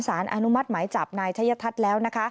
สารอนุมัติหมายจับนายชัยทัศน์แล้วนะคะ